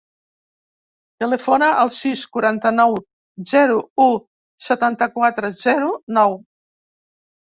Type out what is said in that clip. Telefona al sis, quaranta-nou, zero, u, setanta-quatre, zero, nou.